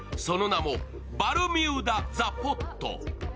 その名もバルミューダザ・ポット。